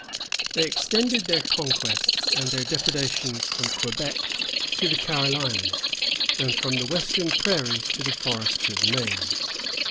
They extended their conquests and their depredations from Quebec to the Carolinas, and from the western prairies to the forests of Maine.